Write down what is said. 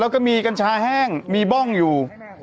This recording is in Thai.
แล้วก็มีกัญชาแห้งมีบ้องอยู่